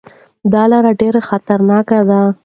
دا لاره ډېره خطرناکه ده.